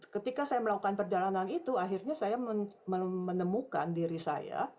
ketika saya melakukan perjalanan itu akhirnya saya menemukan diri saya